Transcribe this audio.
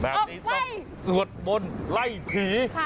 แบบนี้ต้องสวดมนต์ไล่ผี